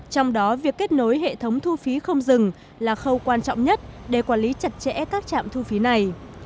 trong đó việc kết nối hệ thống thu phí không dừng là khâu quan trọng nhất để quản lý chặt chẽ các trạm thu phí này